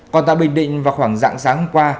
còn tại bình định vào khoảng dạng sáng hôm qua